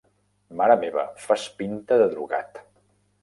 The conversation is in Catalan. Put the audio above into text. Mare meva, fas pinta de drogat!